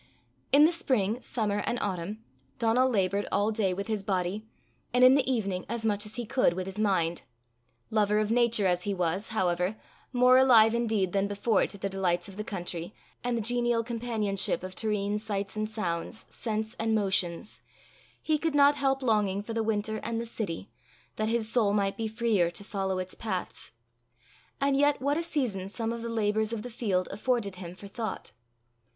In the spring, summer, and autumn, Donal laboured all day with his body, and in the evening as much as he could with his mind. Lover of Nature as he was, however, more alive indeed than before to the delights of the country, and the genial companionship of terrene sights and sounds, scents and motions, he could not help longing for the winter and the city, that his soul might be freer to follow its paths. And yet what a season some of the labours of the field afforded him for thought!